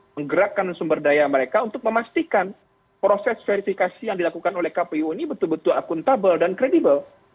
menggerakkan sumber daya mereka untuk memastikan proses verifikasi yang dilakukan oleh kpu ini betul betul akuntabel dan kredibel